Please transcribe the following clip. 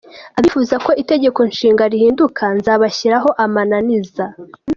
Abifuza ko Itegeko Nshinga rihinduka nzabashyiraho amananiza.